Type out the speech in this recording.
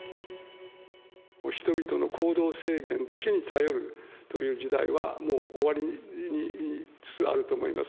人々の行動制限だけに頼るという時代は、もう終わりつつあると思います。